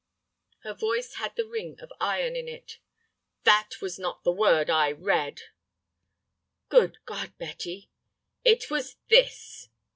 Her voice had the ring of iron in it. "That was not the word I read." "Good God, Betty!" "It was this."